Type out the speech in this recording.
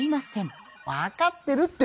わかってるって！